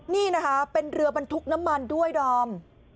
นี่นะคะเป็นเรือบรรทุกน้ำมันด้วยดอม